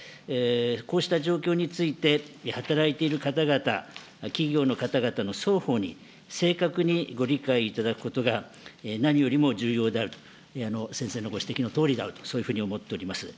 こうした状況について、働いている方々、企業の方々の双方に、正確にご理解いただくことが、何よりも重要であると、先生のご指摘のとおりであると、そういうふうに思っております。